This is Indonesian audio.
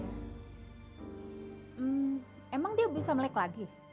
hmm emang dia bisa melek lagi